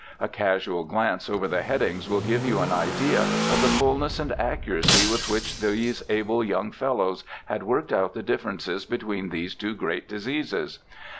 A casual glance over the headings will give you an idea of the fullness and accuracy with which these able young fellows had worked out the differences between these two great diseases.